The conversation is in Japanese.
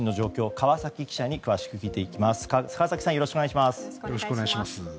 川崎さんよろしくお願いします。